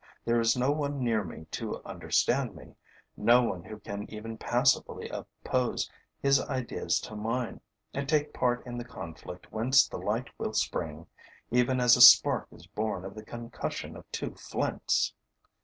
There is no one near me to understand me, no one who can even passively oppose his ideas to mine and take part in the conflict whence the light will spring, even as a spark is born of the concussion of two flints.